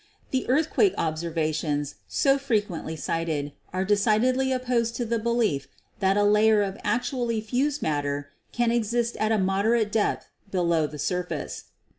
The earthquake observations, so frequently cited, are decidedly opposed to the belief that a layer of actually fused matter can exist at a moderate depth below the surface.